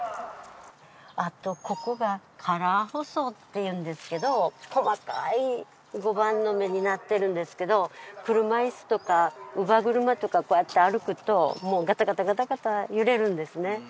ここがカラー舗装っていうんですけど細かい碁盤の目になっているんですけど車椅子とか乳母車とかこうやって歩くとガタガタガタガタ揺れるんですね